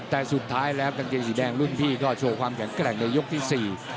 แต่สุดท้ายแล้วกางเกงสีแดงรุ่นพี่ก็โชว์ความแข็งแกร่งในยกที่สี่